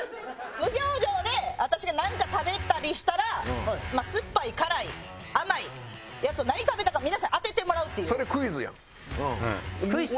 無表情で私がなんか食べたりしたら酸っぱい辛い甘いやつを何食べたか皆さんに当ててもらうっていう。